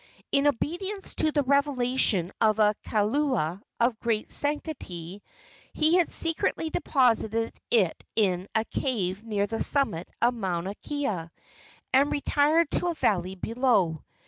In obedience to the revelation of a kaula of great sanctity, he had secretly deposited it in a cave near the summit of Mauna Kea and retired to a valley below.